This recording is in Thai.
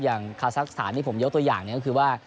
อย่างคาซักสถานที่ผมยกตัวอย่างก็คือว่า